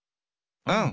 うん！